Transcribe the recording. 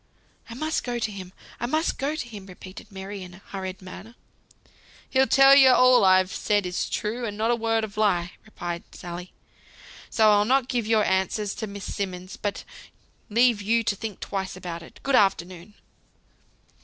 "I must go to him, I must go to him," repeated Mary, in a hurried manner. "He'll tell you all I've said is true, and not a word of lie," replied Sally. "So I'll not give your answer to Miss Simmonds, but leave you to think twice about it. Good afternoon!"